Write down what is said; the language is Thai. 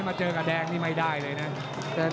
โอ้โหแดงโชว์แล้วโชว์อีกเลยเดี๋ยวดูผู้ดอลก่อน